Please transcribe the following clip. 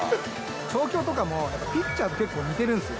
調教とかもピッチャーと結構似てるんですよ。